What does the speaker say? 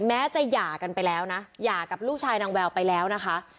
แม้จะหย่ากันไปแล้วนะหย่ากับลูกชายนางแววไปแล้วนะคะ